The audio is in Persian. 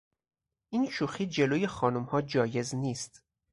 این شوخی جلوی خانمها جایز نیست.